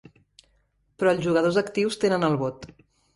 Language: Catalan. Però els jugadors actius tenen el vot.